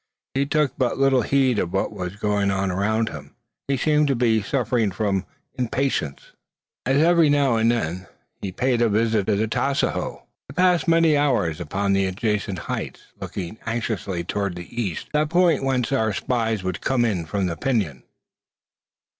He took but little heed of what was going on around him. He seemed to be suffering from impatience, as every now and then he paid a visit to the tasajo. He passed many hours upon the adjacent heights, looking anxiously towards the east: that point whence our spies would come in from the Pinon.